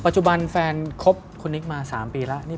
จุบันแฟนคบคุณนิกมา๓ปีแล้ว